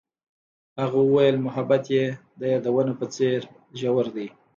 هغې وویل محبت یې د یادونه په څېر ژور دی.